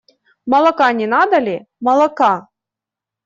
Молока не надо ли, молока?